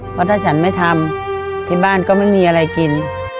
เพราะถ้าฉันไม่ทำที่บ้านก็ไม่มีอะไรกิน